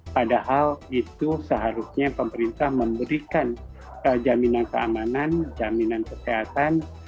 padahal itu seharusnya pemerintah memberikan jaminan keamanan jaminan kesehatan